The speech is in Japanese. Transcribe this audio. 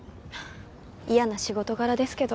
嫌な仕事柄ですけど。